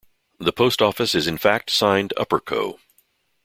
The post office is in fact signed "Upperco".